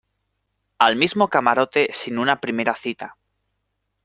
al mismo camarote sin una primera cita.